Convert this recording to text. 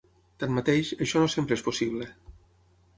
Tanmateix, això no sempre és possible.